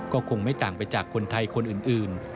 ก็คงไม่ต่างไปจากคนไทยคนอื่น